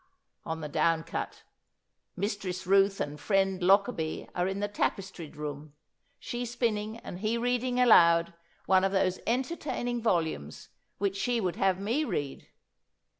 on the down cut. Mistress Ruth and friend Lockarby are in the tapestried room, she spinning and he reading aloud one of those entertaining volumes which she would have me read.